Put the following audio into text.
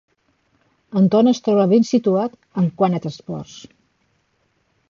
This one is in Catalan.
Anton es troba ben situat en quant a transports.